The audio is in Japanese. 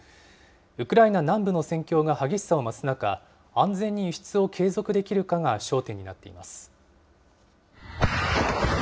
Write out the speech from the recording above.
ウクライナ南部の戦況が激しさを増す中、安全に輸出を継続できるかが焦点になっています。